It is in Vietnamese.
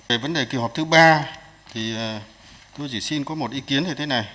về vấn đề kỳ họp thứ ba thì tôi chỉ xin có một ý kiến như thế này